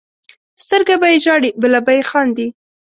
سترګه به یې ژاړي بله به یې خاندي.